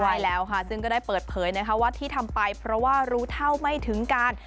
ใช่แล้วค่ะซึ่งก็ได้เปิดเผยนะคะว่าที่ทำไปเพราะว่ารู้เท่าไม่ถึงการ